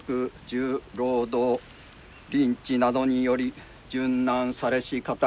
重労働リンチなどにより殉難されし方々